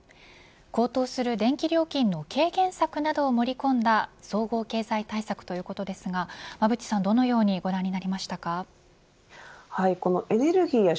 高騰する電気料金の軽減策などを盛り込んだ総合経済対策ということですが馬渕さんエネルギーや